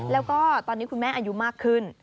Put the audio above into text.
แล้วก็ตอนนี้คุณแม่อายุมากขึ้น